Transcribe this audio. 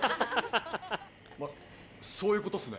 そういうことっすね。